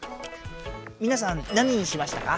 みなさん何にしましたか？